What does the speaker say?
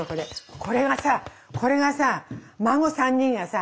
これがさこれがさ孫３人がさ